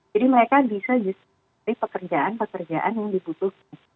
jadi mereka bisa justru pekerjaan pekerjaan yang dibutuhkan